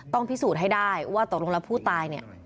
ต้องพิสูจน์ให้ได้ว่าตกลงละผู้ตาย